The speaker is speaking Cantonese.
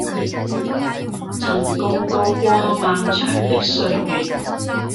曾共渡過漫長的歲月